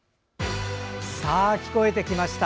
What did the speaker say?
さあ、聞こえてきました。